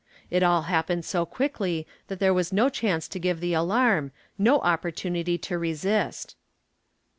It all happened so quickly that there was no chance to give the alarm, no opportunity to resist.